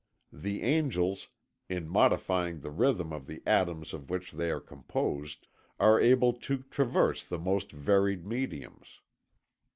The angels, in modifying the rhythm of the atoms of which they are composed, are able to traverse the most varied mediums.